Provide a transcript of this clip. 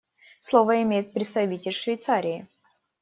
Слово имеет представитель Швейцарии.